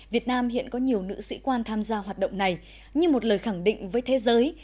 việt nam hiện có nhiều nữ sĩ quan tham gia hoạt động này như một lời khẳng định với thế giới